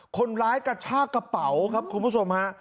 คนร้ายกระชากกระเป๋าครับคุณผู้สมฮะ